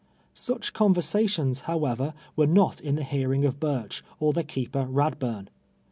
Such conversations, however, were not in the hearing of Burch, or the keeper Radburn.